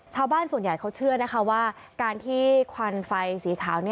ชาวบ้านส่วนใหญ่เขาเชื่อนะคะว่าการที่ควันไฟสีขาว